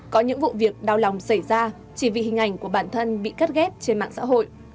có những vụ việc đau lòng xảy ra chỉ vì hình ảnh của bản thân bị cắt ghép trên mạng xã hội